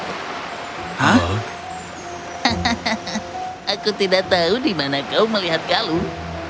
hahaha aku tidak tahu di mana kau melihat galuh